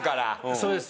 そうです。